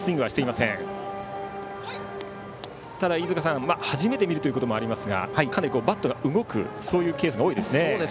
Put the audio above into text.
飯塚さん、初めて見るということもありますがかなりバットが動くケースが多いですね。